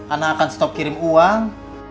anak akan stop kirim uang